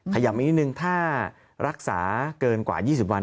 ย้ำอีกนิดนึงถ้ารักษาเกินกว่า๒๐วัน